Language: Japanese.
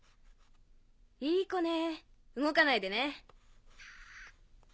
いいコねぇ動かないでね。